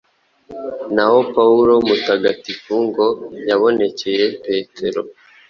naho Pawulo mutagatifu ngo yabonekeye Petero